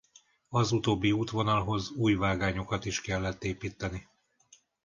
Az utóbbi útvonalhoz új vágányokat is kellett építeni.